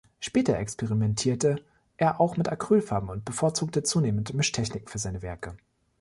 Später experimentierte er auch mit Acrylfarben und bevorzugte zunehmend Mischtechniken für seine Werke.